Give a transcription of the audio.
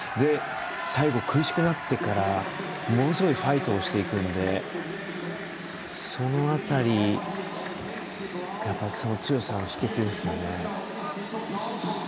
最後、苦しくなってからものすごいファイトをしてくるのでその辺り、強さの秘けつですよね。